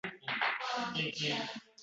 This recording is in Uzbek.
Bu ayolni ilgarilari uchratmagan ekan